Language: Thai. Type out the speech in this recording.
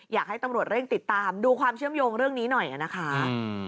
อยากให้ตำรวจเร่งติดตามดูความเชื่อมโยงเรื่องนี้หน่อยนะคะ